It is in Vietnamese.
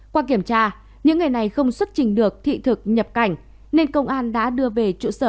qua kiểm tra những người này không xuất trình được thị thực nhập cảnh nên công an đã đưa về trụ sở